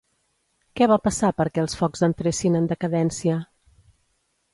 Què va passar perquè els focs entressin en decadència?